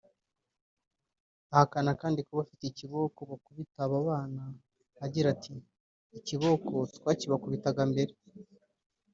Ahakana kandi kuba bafite ikiboko bakubita aba bana agira ati “Ikiboko twakibakubitaga mbere